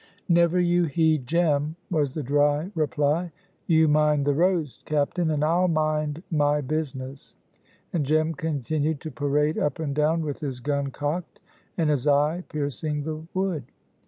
"Never you heed Jem," was the dry reply; "you mind the roast, captain, and I'll mind my business;" and Jem continued to parade up and down with his gun cocked and his eye piercing the wood.